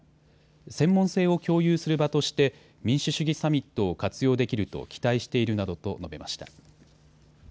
専門性を共有する場として民主主義サミットを活用できると期待しているなどと述べました。